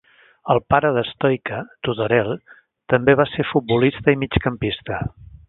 El pare de Stoica, Tudorel, també va ser futbolista i migcampista.